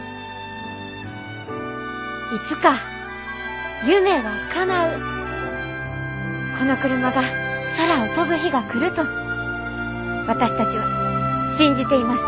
いつか夢はかなうこのクルマが空を飛ぶ日が来ると私たちは信じています。